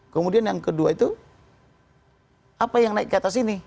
kemudian yang kedua itu apa yang naik ke atas ini